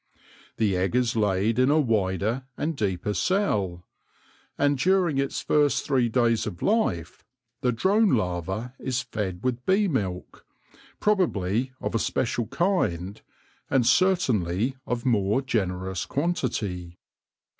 The egg is laid in a wider and deeper cell ; and during its first three days of life the drone larva is fed with bee milk, probably of a special kind and certainly of more generous quantity.